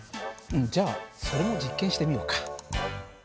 じゃあそれも実験してみようか。